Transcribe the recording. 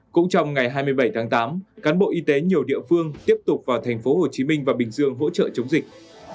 cũng trong ngày hai mươi bảy tháng tám cán bộ y tế nhiều địa phương tiếp tục vào thành phố hồ chí minh và bình dương hỗ trợ chống dịch